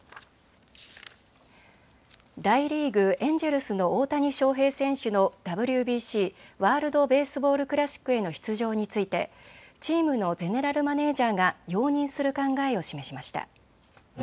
大リーグ、エンジェルスの大谷翔平選手のＷＢＣ・ワールド・ベースボール・クラシックへの出場についてチームのゼネラルマネージャーが容認する考えを示しました。